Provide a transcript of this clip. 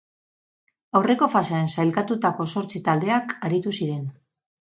Aurreko fasean sailkatutako zortzi taldeak aritu ziren.